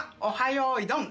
よいどん」